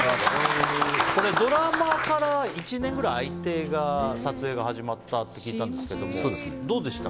ドラマから１年ぐらい空いて撮影が始まったと聞いたんですけどもどうでしたか。